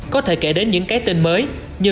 có thể kể đến những cái tên mới như